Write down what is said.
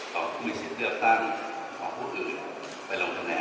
ผู้มีสิทธิ์เลือกตั้งของผู้อื่นไปลงคะแนน